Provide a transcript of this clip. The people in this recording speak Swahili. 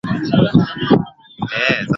Sakina anaimba.